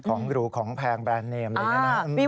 ของหรูของแพงแบรนด์เนมอะไรอย่างนั้น